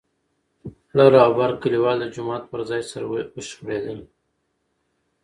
لر او بر کليوال د جومات پر ځای سره وشخړېدل.